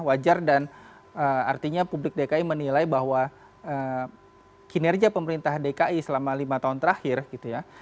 wajar dan artinya publik dki menilai bahwa kinerja pemerintah dki selama lima tahun terakhir gitu ya